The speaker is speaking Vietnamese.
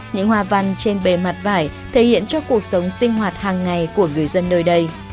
những hoa văn trên bề mặt vải thể hiện cho cuộc sống sinh hoạt hàng ngày của người dân nơi đây